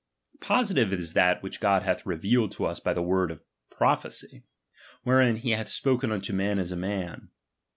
Positive is that, which God hath revealed to us by the word of prophecy, wherein he hath spoken unto men as a man.